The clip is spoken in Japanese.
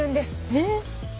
えっ？